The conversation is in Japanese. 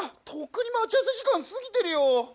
とっくに待ち合わせ時間過ぎてるよ。